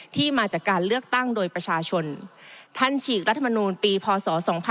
มาจากการเลือกตั้งโดยประชาชนท่านฉีกรัฐมนูลปีพศ๒๕๖๒